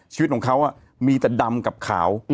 ชีวิตของเขามีแต่ดำกับขาว